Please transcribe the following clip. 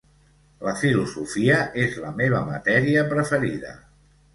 La filosofia és la meva matèria preferida.